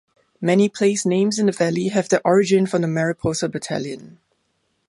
Many place names in the valley have their origin from the Mariposa Battalion.